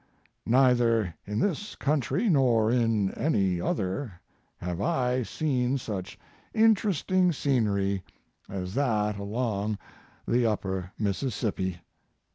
Neither in this country nor in any other have I seen such interesting scenery as that along the upper Mississippi.